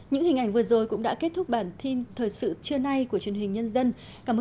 những hình ảnh vừa rồi cũng đã kết thúc bản tin thời sự trưa nay của truyền hình nhân dân cảm ơn